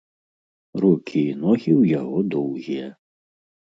Рукі і ногі ў яго доўгія.